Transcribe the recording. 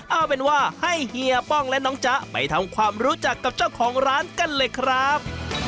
เอาเป็นว่าให้เฮียป้องและน้องจ๊ะไปทำความรู้จักกับเจ้าของร้านกันเลยครับ